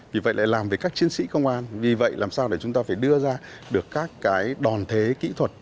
vì vậy lại làm với các chiến sĩ công an vì vậy làm sao để chúng ta phải đưa ra được các cái đòn thế kỹ thuật